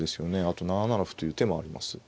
あと７七歩という手もあります。